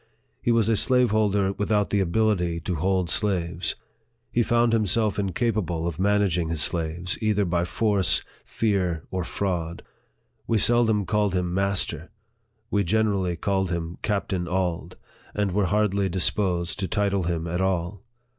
He was a slaveholder without the ability to hold slaves. He found himself incapable of managing his slaves either by force, fear, or fraud. We seldom called him " master ;" we generally called him " Captain Auld," and were hardly disposed to title him at all.